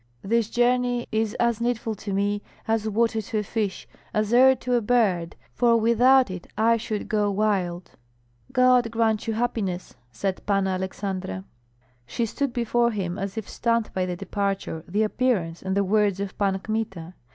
This journey is as needful to me, as water to a fish, as air to a bird, for without it I should go wild." "God grant you happiness," said Panna Aleksandra. She stood before him as if stunned by the departure, the appearance, and the words of Pan Kmita.